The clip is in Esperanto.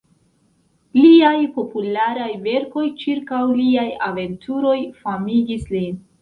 Liaj popularaj verkoj ĉirkaŭ liaj aventuroj famigis lin.